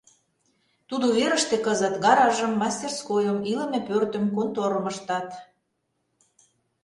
Тудо верыште кызыт гаражым, мастерскойым, илыме пӧртым, конторым ыштат.